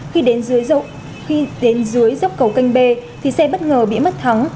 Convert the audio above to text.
khi đến dưới dốc cầu canh b xe bất ngờ bị mất thắng